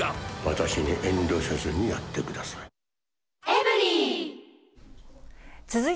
私に遠慮せずにやってください。